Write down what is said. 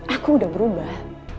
aku udah berubah